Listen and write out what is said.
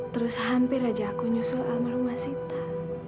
terus hampir aja aku nyusul sama rumah sita